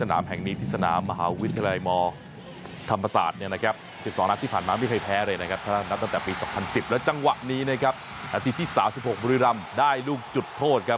อาทิตย์ที่๓๖บุริรัมย์ได้ลูกจุดโทษครับ